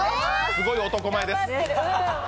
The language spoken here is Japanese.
すごい男前です。